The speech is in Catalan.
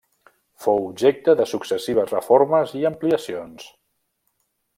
Fou objecte de successives reformes i ampliacions.